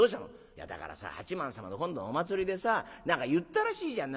「いやだからさ八幡様の今度のお祭りでさ何か言ったらしいじゃん。